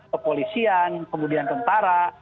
kepolisian kemudian tentara